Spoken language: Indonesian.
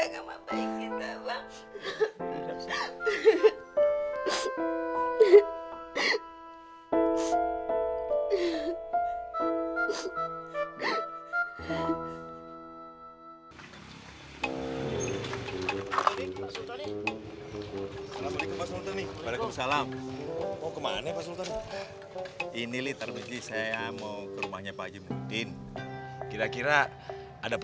akhirnya lo mau terima omongan gue